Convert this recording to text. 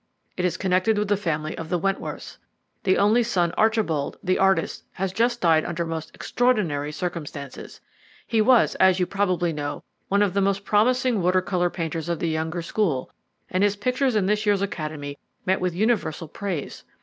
"It is connected with the family of the Wentworths. The only son, Archibald, the artist, has just died under most extraordinary circumstances. He was, as you probably know, one of the most promising water colour painters of the younger school, and his pictures in this year's Academy met with universal praise.